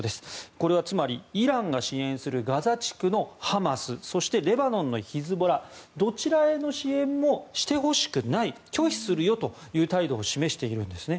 これはつまりイランが支援するガザ地区のハマスそして、レバノンのヒズボラどちらへの支援もしてほしくない拒否するよという態度を示しているんですね。